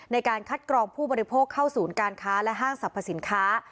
ในการคัดกรองผู้บริโภคเข้าศูนย์การค้าและห้างสรรพสินค้า